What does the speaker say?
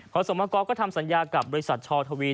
ขอสมกรก็ทำสัญญากับบริษัทชอทวี